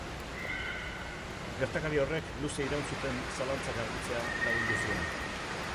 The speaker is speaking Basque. Gertakari horrek, luze iraun zuten zalantzak argitzea lagundu zuen.